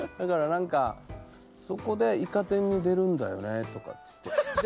何かそこで「イカ天」に出るんだよねとかって。